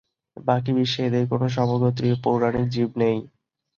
বাকি বিশ্বে এদের কোন সমগোত্রীয় পৌরাণিক জীব নেই।